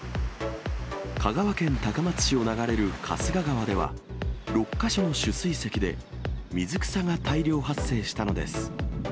香川県高松市を流れる春日川では、６か所の取水せきで、水草が大量発生したのです。